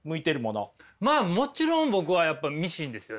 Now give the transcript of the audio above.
まあもちろん僕はやっぱミシンですよね。